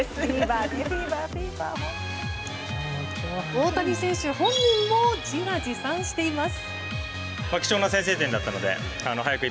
大谷選手本人も自画自賛しています。